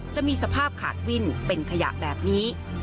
จะมีสภาพขาดวิ่นเป็นขยะแบบนี้